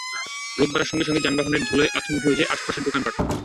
রোদ বাড়ার সঙ্গে সঙ্গে যানবাহনের ধুলায় আচ্ছন্ন হয়ে যায় আশপাশের দোকানপাট।